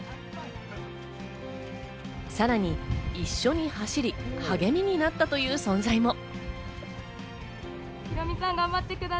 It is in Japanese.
さらに一緒に走り、励みになったという存在も。